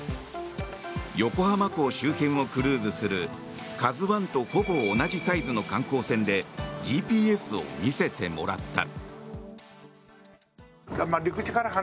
横浜港周辺をクルーズする「ＫＡＺＵ１」とほぼ同じサイズの観光船でＧＰＳを見せてもらった。